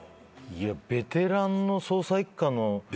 ベテランの捜査１課の。